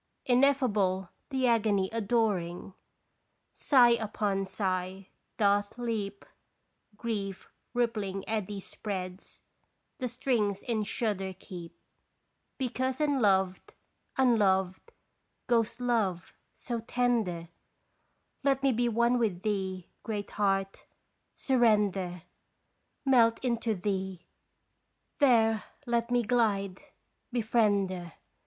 Ineffable the agony adoring, Sigh upon sigh doth leap, Grief rippling eddy spreads, The strings in shudder keep. "Because unloved, unloved, goes Love, so tender!" Let me be one with thee, Great Heart surrender Melt into thee there let me glide Befriender